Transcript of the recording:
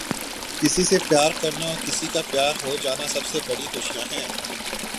کسی سے پیار کرنا اور کسی کا پیار ہو جانا سب سے بڑی خوشیاں ہیں۔